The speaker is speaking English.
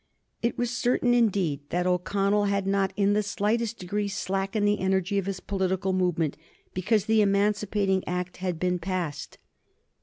It was certain, indeed, that O'Connell had not, in the slightest degree, slackened the energy of his political movement because the emancipating Act had been passed.